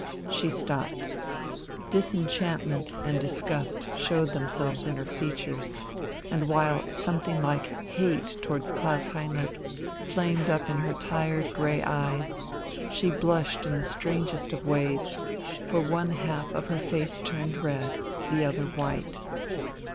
She stopped. Disenchantment and disgust showed themselves in her features, and, while something like hate towards Klaus Heinrich flamed up in her tired grey eyes, she blushed in the strangest of ways, for one half of her face turned red, the other white.